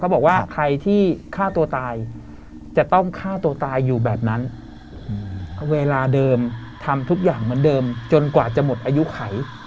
บอกว่าใครที่ฆ่าตัวตายจะต้องฆ่าตัวตายอยู่แบบนั้นเวลาเดิมทำทุกอย่างเหมือนเดิมจนกว่าจะหมดอายุไข